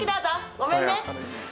ごめんね。